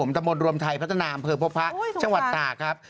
ตะมนต์รวมไทยพัฒนาอำเภอพบพระจังหวัดตากครับ